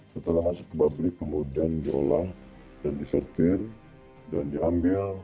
setelah masuk ke publik kemudian diolah dan disertir dan diambil